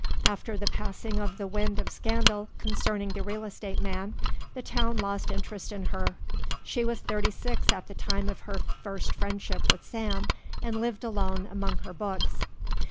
After the passing of the wind of scandal concerning the real estate man the town lost interest in her. She was thirty six at the time of her first friendship with Sam and lived alone among her books.